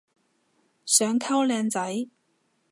想溝靚仔